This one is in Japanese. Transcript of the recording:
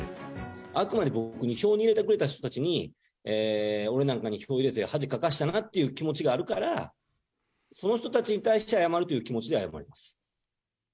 あくまで、僕に票に入れてくれた人たちに、俺なんかに票入れて恥かかせたなという気持ちがあるから、その人たちに対して謝るという気持ちで謝ります。